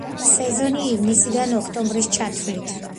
სეზონი ივნისიდან ოქტომბრის ჩათვლით.